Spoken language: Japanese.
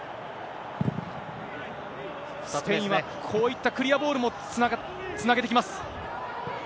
スペインはこういったクリアボールもつなげてきます。